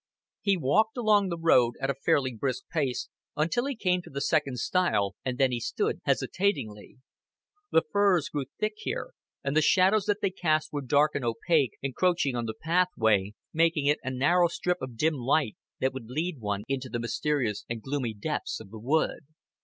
He walked along the road at a fairly brisk pace until he came to the second stile, and then he stood hesitatingly. The firs grew thick here, and the shadows that they cast were dark and opaque, encroaching on the pathway, making it a narrow strip of dim light that would lead one into the mysterious and gloomy depths of the wood.